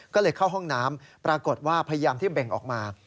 ก็เลยเข้าห้องน้ำปรากฏว่าพยายามที่เบ่งออกมา